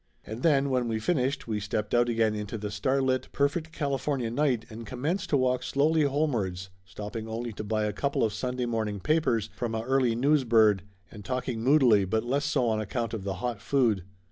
And then, when we finished, we stepped out again into the starlit, perfect California night and commenced to walk slowly homewards, stopping only to buy a couple of Sunday morning papers from a early news bird, and talking moodily but less so on account of the hot food.